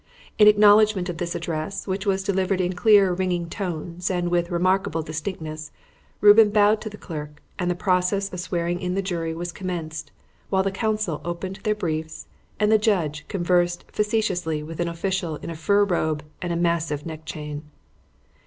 In acknowledgment of this address, which was delivered in clear, ringing tones, and with remarkable distinctness, Reuben bowed to the clerk, and the process of swearing in the jury was commenced, while the counsel opened their briefs and the judge conversed facetiously with an official in a fur robe and a massive neck chain.